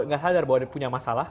nggak sadar bahwa dia punya masalah